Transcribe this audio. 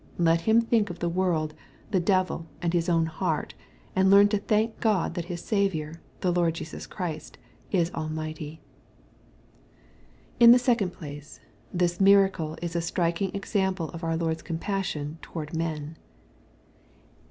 Let him think of the world, the devil, and his own heart, and learn to thank God that his Saviour, the Lord Jesus Christ, is almighty. In the second place, this miracle is a striking eocamph of our Lord! 8 compassion toward men.